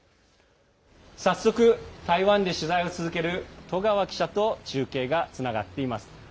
早速、台湾で取材を続ける戸川記者と中継がつながっています。